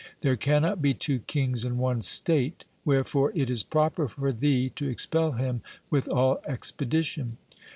There cannot be two kings in one state. Wherefore it is proper for thee to expel him with all expedition.'